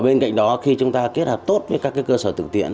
bên cạnh đó khi chúng ta kết hợp tốt với các cơ sở thực tiện